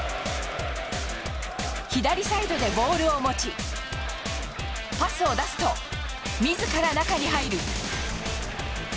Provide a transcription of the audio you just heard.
左サイドでボールを持ち、パスを出すと、みずから中に入る。